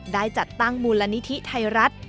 ได้จัดตั้งมูลนิธิไทยรัฐ